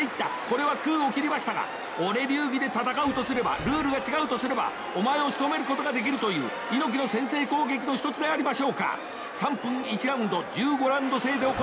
これは空を切りましたが俺流儀で戦うとすればルールが違うとすればお前をしとめることができるという猪木の先制攻撃の１つでありましょうか⁉３分１ラウンド１５ラウンド制で行われます。